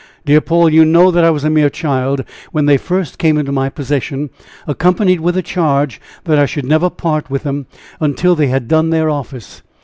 "Dear Paul, you know that I was a mere child when they first came into my possession, accompanied with the charge that I should never part with them until they had done their office.